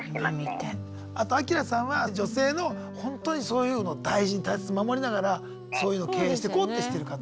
あとアキラさんは女性のホントにそういうのを大事に大切に守りながらそういうのを経営してこうってしてる方なんです。